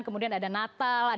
kemudian ada natal